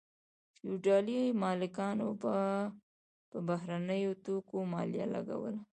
فیوډالي مالکانو په بهرنیو توکو مالیه لګوله.